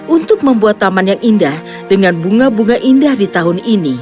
untuk membuat taman yang indah dengan bunga bunga indah di tahun ini